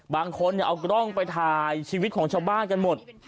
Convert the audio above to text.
บางคนเอากล้องไปถ่ายชีวิตของชาวบ้านกันหมด